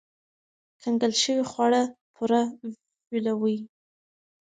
کنګل شوي خواړه پوره ویلوئ.